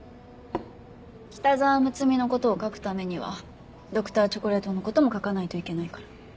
北澤睦美のことを書くためにはＤｒ．チョコレートのことも書かないといけないから。